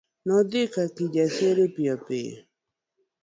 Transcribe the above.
Nodhi ka Kijasiri piyopiyo.